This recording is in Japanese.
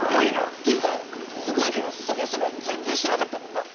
すごいけど、そもそも全然してなかったもんな。